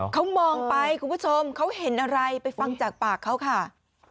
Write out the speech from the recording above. เขามองไปคุณผู้ชมเขาเห็นอะไรไปฟังจากปากเขาค่ะ